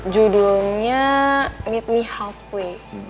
judulnya meet me halfway